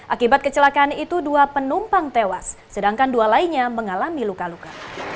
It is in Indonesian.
akibat kecelakaan itu dua penumpang tewas sedangkan dua lainnya mengalami luka luka